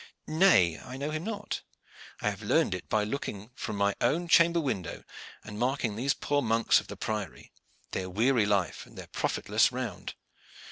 "Nay, I know him not. I have learned it by looking from my own chamber window and marking these poor monks of the priory, their weary life, their profitless round.